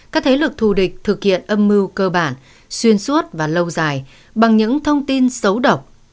các thế lực thù địch thực hiện âm mưu cơ bản xuyên suốt và lâu dài bằng những thông tin xấu độc